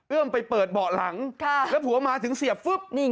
ไปเปิดเบาะหลังแล้วผัวมาถึงเสียบฟึ๊บ